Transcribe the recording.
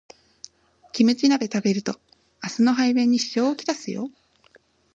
キムチ鍋食べると明日の排便に支障をきたすよ